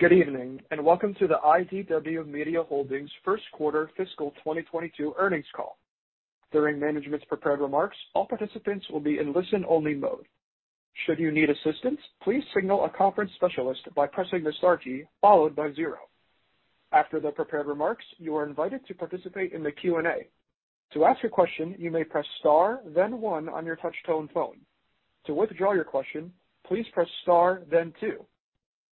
Good evening, and welcome to the IDW Media Holdings first quarter fiscal 2022 earnings call. During management's prepared remarks, all participants will be in listen-only mode. Should you need assistance, please signal a conference specialist by pressing the star key followed by zero. After the prepared remarks, you are invited to participate in the Q&A. To ask a question, you may press star then one on your touch tone phone. To withdraw your question, please press star then two.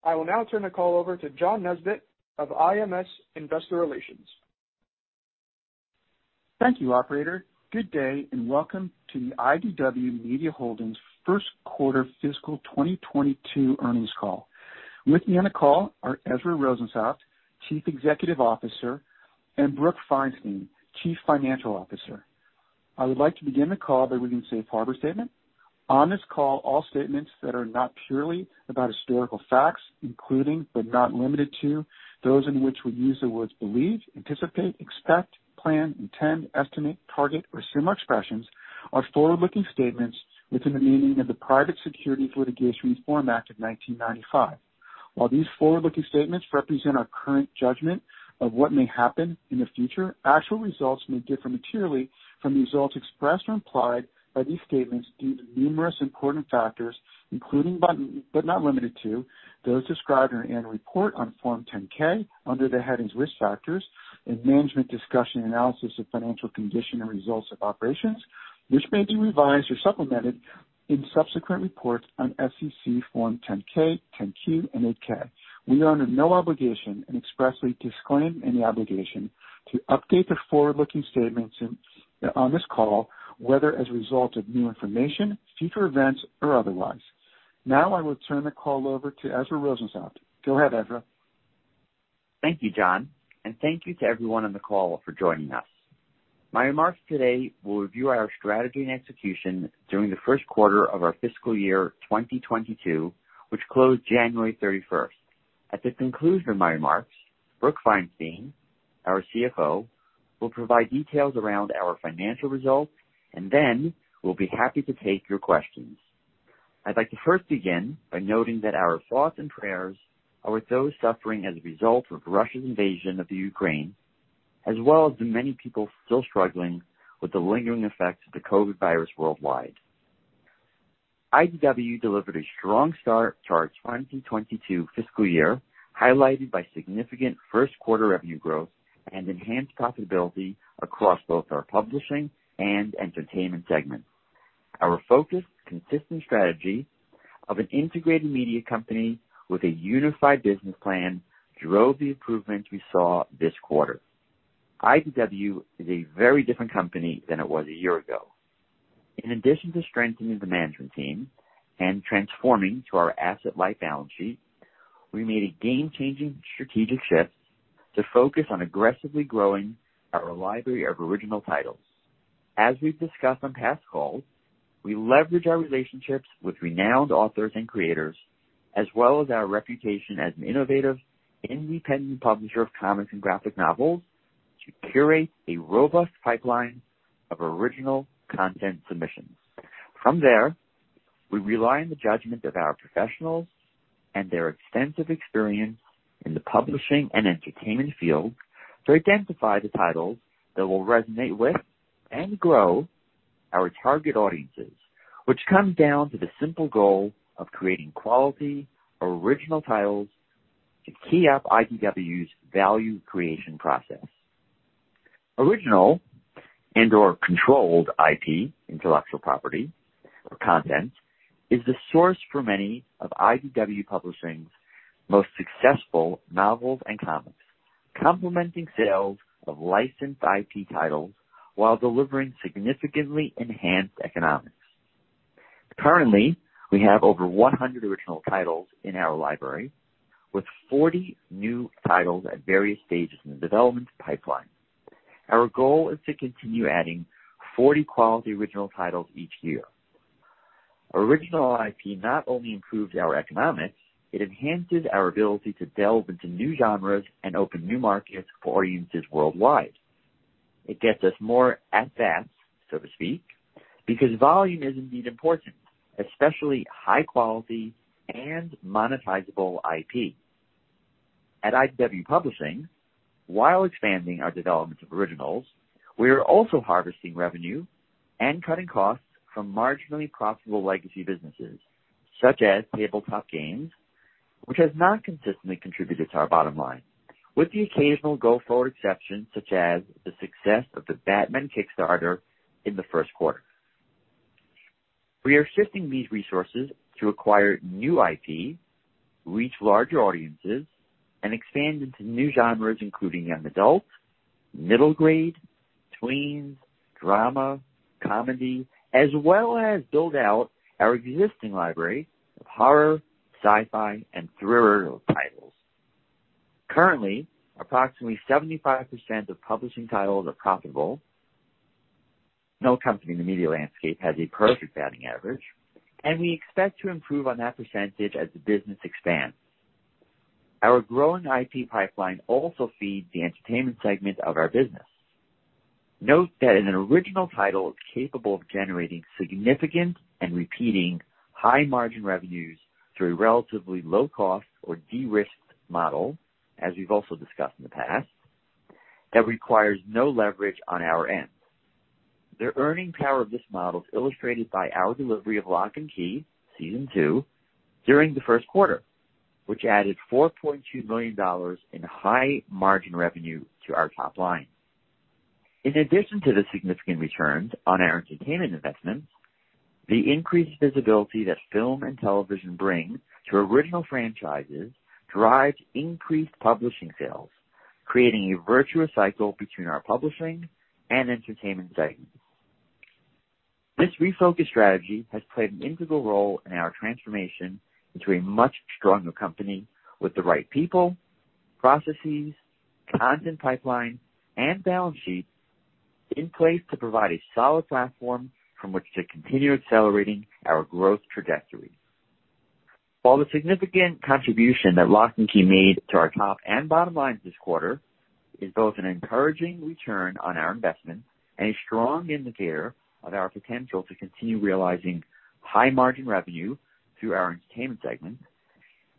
I will now turn the call over to John Nesbett of IMS Investor Relations. Thank you, operator. Good day, and welcome to the IDW Media Holdings first quarter fiscal 2022 earnings call. With me on the call are Ezra Rosensaft, Chief Executive Officer, and Brooke Feinstein, Chief Financial Officer. I would like to begin the call by reading a safe harbor statement. On this call, all statements that are not purely about historical facts, including but not limited to those in which we use the words believe, anticipate, expect, plan, intend, estimate, target, or similar expressions, are forward-looking statements within the meaning of the Private Securities Litigation Reform Act of 1995. While these forward-looking statements represent our current judgment of what may happen in the future, actual results may differ materially from the results expressed or implied by these statements due to numerous important factors, including but not limited to, those described in our annual report on Form 10-K under the headings Risk Factors and Management's Discussion and Analysis of Financial Condition and Results of Operations, which may be revised or supplemented in subsequent reports on SEC Form 10-K, 10-Q, and 8-K. We are under no obligation and expressly disclaim any obligation to update the forward-looking statements on this call, whether as a result of new information, future events, or otherwise. Now I will turn the call over to Ezra Rosensaft. Go ahead, Ezra. Thank you, John, and thank you to everyone on the call for joining us. My remarks today will review our strategy and execution during the first quarter of our fiscal year 2022, which closed January 31st. At the conclusion of my remarks, Brooke Feinstein, our CFO, will provide details around our financial results, and then we'll be happy to take your questions. I'd like to first begin by noting that our thoughts and prayers are with those suffering as a result of Russia's invasion of the Ukraine, as well as the many people still struggling with the lingering effects of the COVID virus worldwide. IDW delivered a strong start to our 2022 fiscal year, highlighted by significant first quarter revenue growth and enhanced profitability across both our publishing and entertainment segments. Our focused, consistent strategy of an integrated media company with a unified business plan drove the improvements we saw this quarter. IDW is a very different company than it was a year ago. In addition to strengthening the management team and transforming to our asset-light balance sheet, we made a game-changing strategic shift to focus on aggressively growing our library of original titles. As we've discussed on past calls, we leverage our relationships with renowned authors and creators, as well as our reputation as an innovative, independent publisher of comics and graphic novels, to curate a robust pipeline of original content submissions. From there, we rely on the judgment of our professionals and their extensive experience in the publishing and entertainment field to identify the titles that will resonate with and grow our target audiences, which comes down to the simple goal of creating quality original titles to key up IDW's value creation process. Original and/or controlled IP, intellectual property or content, is the source for many of IDW Publishing's most successful novels and comics, complementing sales of licensed IP titles while delivering significantly enhanced economics. Currently, we have over 100 original titles in our library, with 40 new titles at various stages in the development pipeline. Our goal is to continue adding 40 quality original titles each year. Original IP not only improves our economics, it enhances our ability to delve into new genres and open new markets for audiences worldwide. It gets us more at bats, so to speak, because volume is indeed important, especially high quality and monetizable IP. At IDW Publishing, while expanding our development of originals, we are also harvesting revenue and cutting costs from marginally profitable legacy businesses such as tabletop games, which has not consistently contributed to our bottom line, with the occasional go forward exception such as the success of the Batman Kickstarter in the first quarter. We are shifting these resources to acquire new IP, reach larger audiences, and expand into new genres including young adult, middle grade, tweens, drama, comedy, as well as build out our existing library of horror, sci-fi, and thriller titles. Currently, approximately 75% of publishing titles are profitable. No company in the media landscape has a perfect batting average, and we expect to improve on that percentage as the business expands. Our growing IP pipeline also feeds the entertainment segment of our business. Note that an original title is capable of generating significant and recurring high margin revenues through a relatively low cost or de-risked model, as we've also discussed in the past, that requires no leverage on our end. The earning power of this model is illustrated by our delivery of Locke & Key Season 2 during the first quarter, which added $40.2 million in high margin revenue to our top line. In addition to the significant returns on our entertainment investments, the increased visibility that film and television bring to original franchises drives increased publishing sales, creating a virtuous cycle between our publishing and entertainment segments. This refocused strategy has played an integral role in our transformation into a much stronger company with the right people, processes, content pipeline, and balance sheet in place to provide a solid platform from which to continue accelerating our growth trajectory. While the significant contribution that Locke & Key made to our top and bottom lines this quarter is both an encouraging return on our investment and a strong indicator of our potential to continue realizing high margin revenue through our entertainment segment,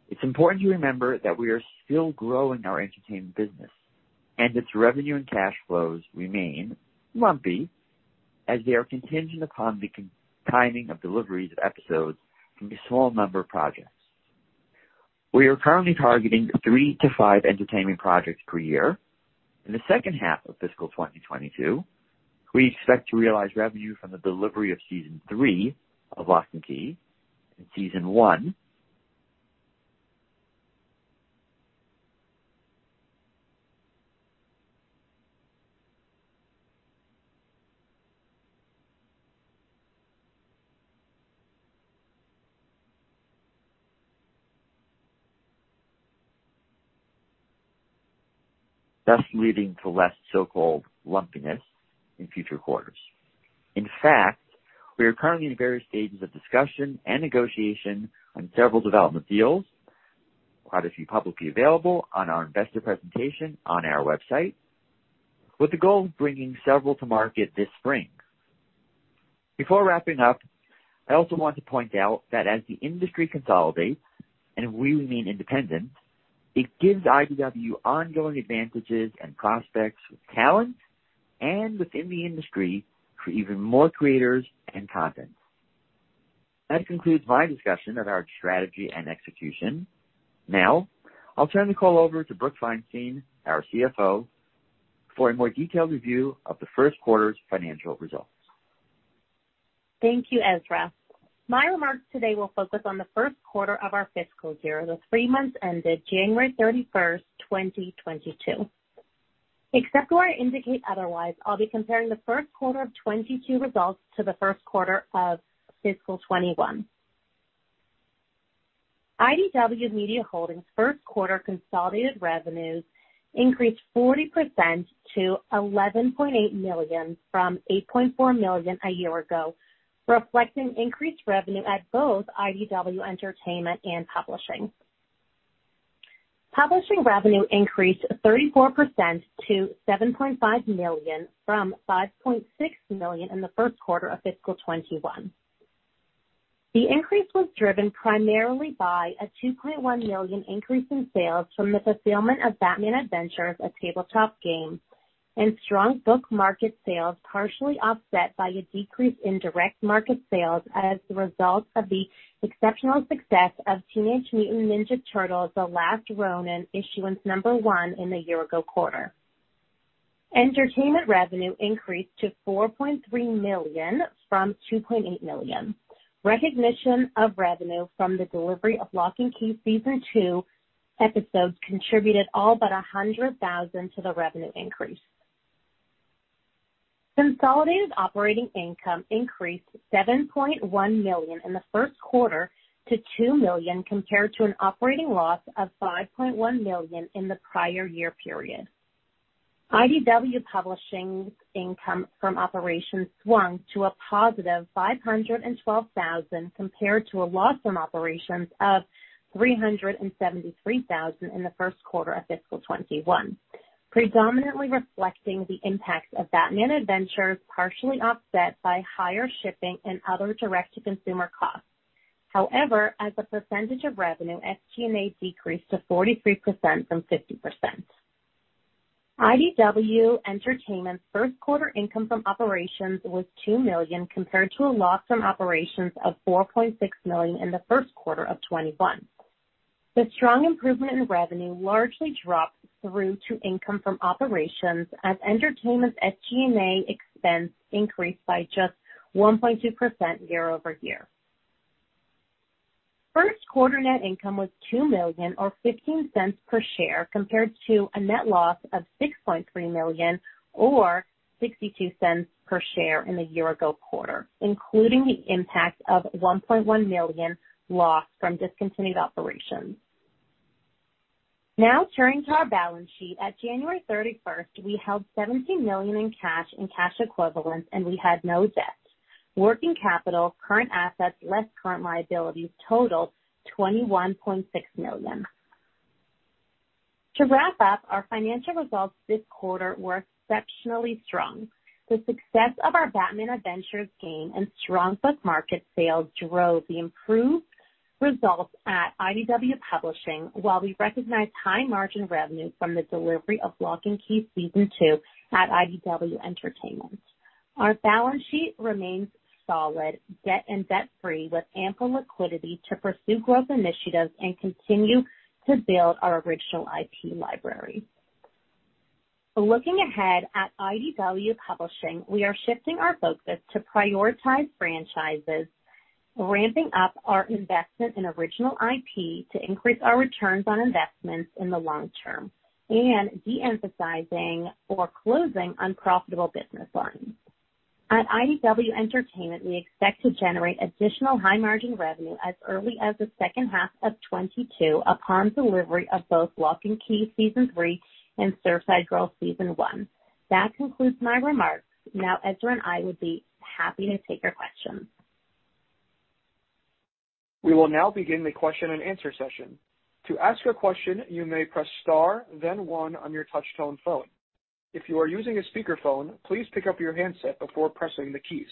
it's important to remember that we are still growing our entertainment business and its revenue and cash flows remain lumpy as they are contingent upon the timing of deliveries of episodes from a small number of projects. We are currently targeting 3-5 entertainment projects per year. In the second half of fiscal 2022, we expect to realize revenue from the delivery of season three of Locke & Key and season one. Thus leading to less so-called lumpiness in future quarters. In fact, we are currently in various stages of discussion and negotiation on several development deals, quite a few publicly available on our investor presentation on our website, with the goal of bringing several to market this spring. Before wrapping up, I also want to point out that as the industry consolidates, and we remain independent, it gives IDW ongoing advantages and prospects with talent and within the industry for even more creators and content. That concludes my discussion of our strategy and execution. Now I'll turn the call over to Brooke Feinstein, our CFO, for a more detailed review of the first quarter's financial results. Thank you, Ezra. My remarks today will focus on the first quarter of our fiscal year, the three months ended January 31st, 2022. Except where I indicate otherwise, I'll be comparing the first quarter of 2022 results to the first quarter of fiscal 2021. IDW Media Holdings first quarter consolidated revenues increased 40% to $11.8 million from $8.4 million a year ago, reflecting increased revenue at both IDW Entertainment and Publishing. Publishing revenue increased 34% to $7.5 million from $5.6 million in the first quarter of fiscal 2021. The increase was driven primarily by a $2.1 million increase in sales from the fulfillment of Batman Adventures, a tabletop game, and strong book market sales, partially offset by a decrease in direct market sales as a result of the exceptional success of Teenage Mutant Ninja Turtles: The Last Ronin, issue number one in the year-ago quarter. Entertainment revenue increased to $4.3 million from $2.8 million. Recognition of revenue from the delivery of Locke & Key Season 2 episodes contributed all but a $100,000 to the revenue increase. Consolidated operating income increased $7.1 million in the first quarter to $2 million, compared to an operating loss of $5.1 million in the prior year period. IDW Publishing's income from operations swung to a positive $512,000, compared to a loss from operations of $373,000 in the first quarter of fiscal 2021, predominantly reflecting the impacts of Batman Adventures, partially offset by higher shipping and other direct-to-consumer costs. However, as a percentage of revenue, SG&A decreased to 43% from 50%. IDW Entertainment's first quarter income from operations was $2 million, compared to a loss from operations of $4.6 million in the first quarter of 2021. The strong improvement in revenue largely dropped through to income from operations as Entertainment's SG&A expense increased by just 1.2% year-over-year. First quarter net income was $2 million or $0.15 per share, compared to a net loss of $6.3 million or $0.62 per share in the year-ago quarter, including the impact of $1.1 million loss from discontinued operations. Now turning to our balance sheet. At January 31st, we held $17 million in cash and cash equivalents, and we had no debt. Working capital, current assets less current liabilities totaled $21.6 million. To wrap up, our financial results this quarter were exceptionally strong. The success of our Batman Adventures game and strong book market sales drove the improved results at IDW Publishing, while we recognized high-margin revenue from the delivery of Locke & Key Season 2 at IDW Entertainment. Our balance sheet remains solid, debt-free, with ample liquidity to pursue growth initiatives and continue to build our original IP library. Looking ahead at IDW Publishing, we are shifting our focus to prioritize franchises, ramping up our investment in original IP to increase our returns on investments in the long term and de-emphasizing or closing unprofitable business lines. At IDW Entertainment, we expect to generate additional high-margin revenue as early as the second half of 2022 upon delivery of both Locke & Key Season 3 and Surfside Girls Season 1. That concludes my remarks. Now Ezra Rosensaft and I would be happy to take your questions. We will now begin the question and answer session. To ask a question, you may press Star, then one on your touchtone phone. If you are using a speakerphone, please pick up your handset before pressing the keys.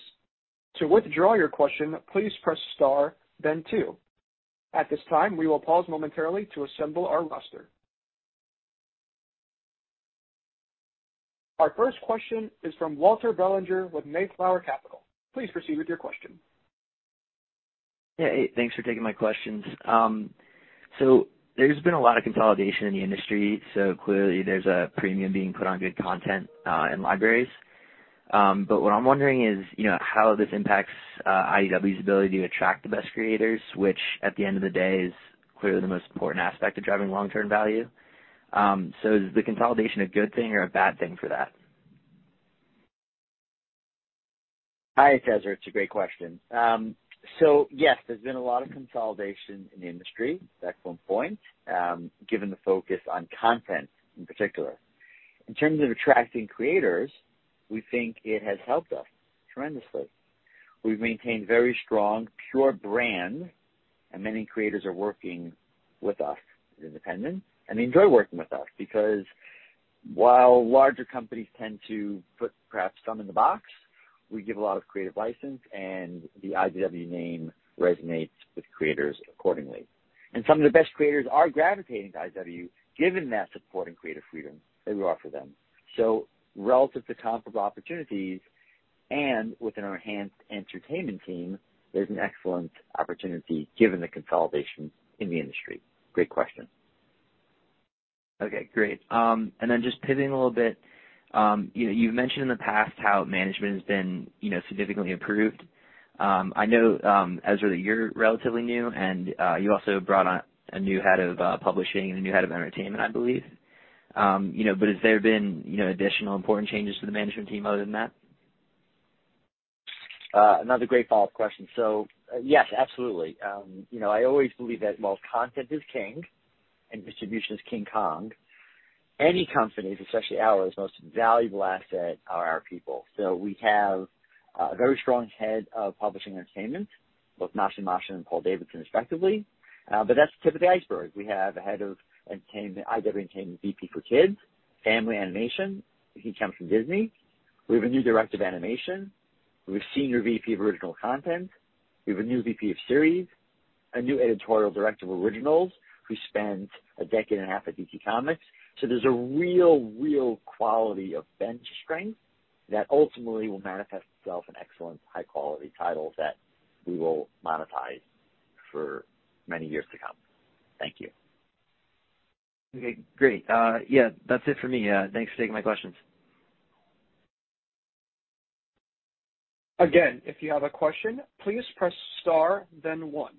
To withdraw your question, please press Star then two. At this time, we will pause momentarily to assemble our roster. Our first question is from Walter Bellinger with Mayflower Capital. Please proceed with your question. Yeah. Hey, thanks for taking my questions. There's been a lot of consolidation in the industry, so clearly there's a premium being put on good content, and libraries. What I'm wondering is, you know, how this impacts IDW's ability to attract the best creators, which at the end of the day, is clearly the most important aspect of driving long-term value. Is the consolidation a good thing or a bad thing for that? Hi, Walter. It's a great question. Yes, there's been a lot of consolidation in the industry. That's on point, given the focus on content in particular. In terms of attracting creators, we think it has helped us tremendously. We've maintained a very strong, pure brand, and many creators are working with us as independents. They enjoy working with us because while larger companies tend to put perhaps some in the box, we give a lot of creative license, and the IDW name resonates with creators accordingly. Some of the best creators are gravitating to IDW, given that support and creative freedom that we offer them. Relative to comparable opportunities and with an enhanced entertainment team, there's an excellent opportunity given the consolidation in the industry. Great question. Okay, great. Then just pivoting a little bit, you know, you've mentioned in the past how management has been, you know, significantly improved. I know, Ezra, that you're relatively new and you also brought on a new head of publishing and a new head of entertainment, I believe. You know, has there been, you know, additional important changes to the management team other than that? Another great follow-up question. Yes, absolutely. You know, I always believe that while content is king and distribution is King Kong, any company's, especially ours, most valuable asset are our people. We have a very strong head of publishing entertainment, both Mark Doyle and Paul Davidson, respectively. That's the tip of the iceberg. We have a head of entertainment, IDW Entertainment VP for Kids, Family Animation. He comes from Disney. We have a new director of animation. We have a Senior VP of Original Content. We have a new VP of Series, a new editorial director of Originals, who spent a decade and a half at DC Comics. There's a real quality of bench strength that ultimately will manifest itself in excellent high quality titles that we will monetize for many years to come. Thank you. Okay, great. Yeah, that's it for me. Thanks for taking my questions. Again, if you have a question, please press Star then one.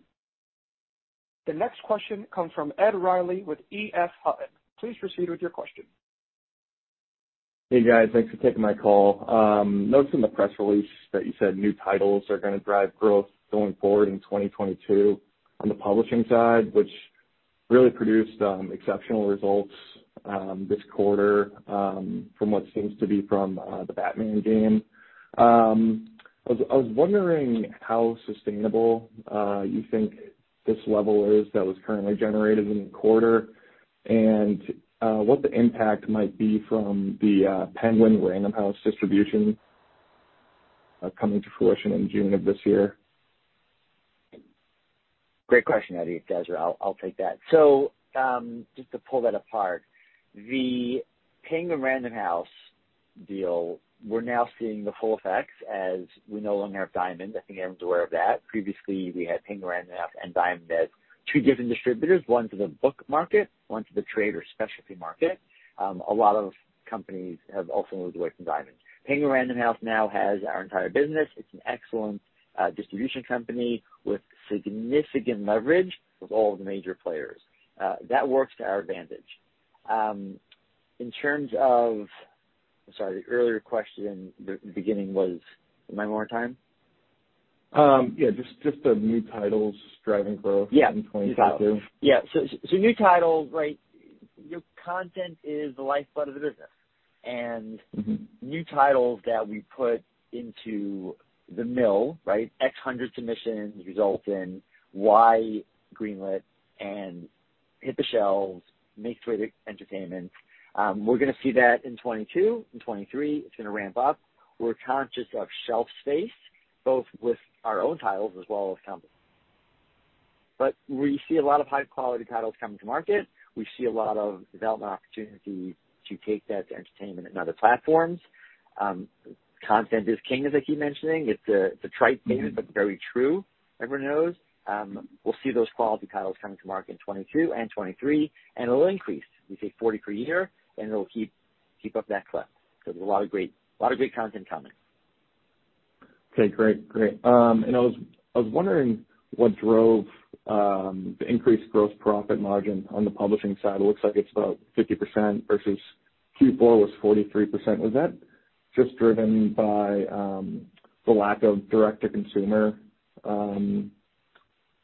The next question comes from Ed Reilly with EF Hutton. Please proceed with your question. Hey, guys. Thanks for taking my call. Noted in the press release that you said new titles are gonna drive growth going forward in 2022 on the publishing side, which really produced exceptional results this quarter from the Batman game. I was wondering how sustainable you think this level is that was currently generated in the quarter and what the impact might be from the Penguin Random House distribution coming to fruition in June of this year. Great question, Ed. Ezra, I'll take that. Just to pull that apart, the Penguin Random House deal, we're now seeing the full effects as we no longer have Diamond. I think everyone's aware of that. Previously we had Penguin Random House and Diamond as two different distributors, one for the book market, one for the trade or specialty market. A lot of companies have also moved away from Diamond. Penguin Random House now has our entire business. It's an excellent distribution company with significant leverage with all the major players that works to our advantage. I'm sorry, the earlier question in the beginning was one more time? Yeah, just the new titles driving growth. Yeah. In 2022. Yeah. New titles, like, your content is the lifeblood of the business. New titles that we put into the mill, right? X hundred submissions result in Y greenlit and hit the shelves, makes way to entertainment. We're gonna see that in 2022. In 2023, it's gonna ramp up. We're conscious of shelf space, both with our own titles as well as some. We see a lot of high-quality titles coming to market. We see a lot of development opportunities to take that to entertainment and other platforms. Content is king, as I keep mentioning. It's a trite statement, but very true. Everyone knows. We'll see those quality titles coming to market in 2022 and 2023, and it'll increase. We take 40 per year, and it'll keep up that clip because there's a lot of great content coming. Okay, great. I was wondering what drove the increased gross profit margin on the publishing side. It looks like it's about 50% versus Q4 was 43%. Was that just driven by the lack of direct-to-consumer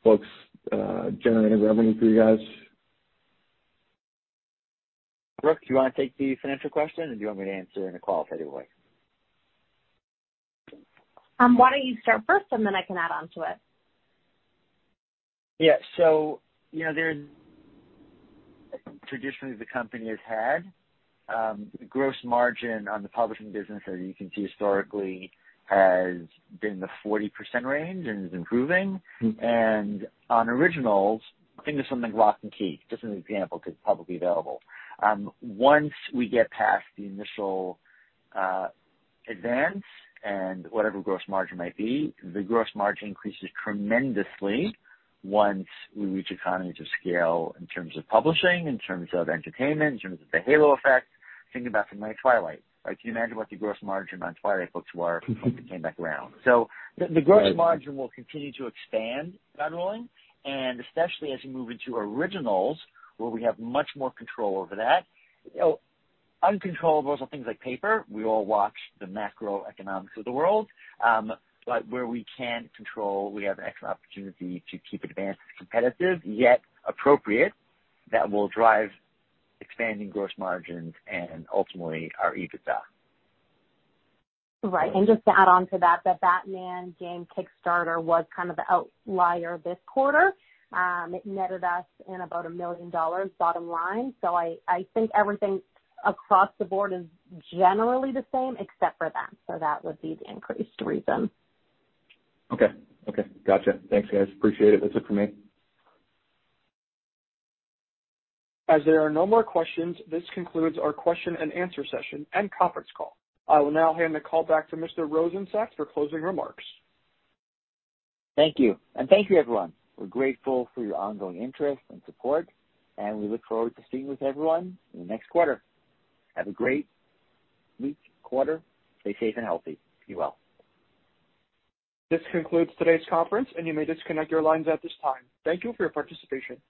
folks generating revenue for you guys? Brooke, do you wanna take the financial question or do you want me to answer in a qualitative way? Why don't you start first and then I can add onto it. Yeah. You know, traditionally the company has had gross margin on the publishing business, as you can see historically, has been in the 40% range and is improving. Mm-hmm. On originals, think of something like Locke & Key, just as an example because it's publicly available. Once we get past the initial advance and whatever gross margin might be, the gross margin increases tremendously once we reach economies of scale in terms of publishing, in terms of entertainment, in terms of the halo effect. Think about something like Twilight, right? Can you imagine what the gross margin on Twilight books were if it came back around? The gross margin will continue to expand, Matthew Rolnick, and especially as you move into originals where we have much more control over that. You know, uncontrollables are things like paper. We all watch the macroeconomics of the world. But where we can control, we have an excellent opportunity to keep advances competitive, yet appropriate, that will drive expanding gross margins and ultimately our EBITDA. Right. Just to add on to that, the Batman game Kickstarter was kind of the outlier this quarter. It netted us in about $1 million bottom line. I think everything across the board is generally the same except for that. That would be the increased reason. Okay. Okay. Gotcha. Thanks, guys. Appreciate it. That's it for me. As there are no more questions, this concludes our question-and-answer session and conference call. I will now hand the call back to Mr. Rosensaft for closing remarks. Thank you. Thank you, everyone. We're grateful for your ongoing interest and support, and we look forward to speaking with everyone in the next quarter. Have a great week, quarter. Stay safe and healthy. Be well. This concludes today's conference, and you may disconnect your lines at this time. Thank you for your participation.